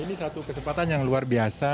ini satu kesempatan yang luar biasa